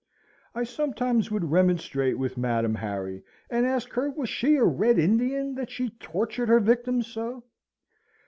I sometimes would remonstrate with Madam Harry, and ask her was she a Red Indian, that she tortured her victims so?